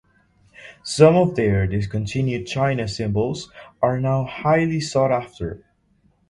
Some of their discontinued china cymbals are now highly sought after.